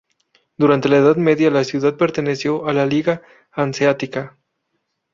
Durante la Edad Media la ciudad perteneció a la Liga Hanseática.